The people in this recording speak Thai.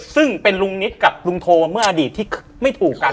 ซึ่งเป็นลุงนิดกับลุงโทเมื่ออดีตที่ไม่ถูกกัน